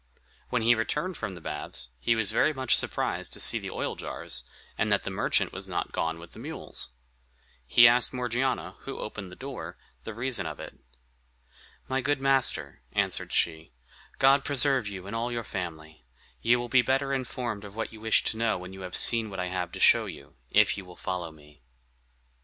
When he returned from the baths, he was very much surprised to see the oil jars, and that the merchant was not gone with the mules. He asked Morgiana, who opened the door, the reason of it. "My good master," answered she, "God preserve you and all your family. You will be better informed of what you wish to know when you have seen what I have to show you, if you will follow me."